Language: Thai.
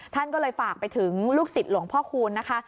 ท่านก็เลยฝากไปถึงลูกศิษย์หลวงพ่อคูณนะคะ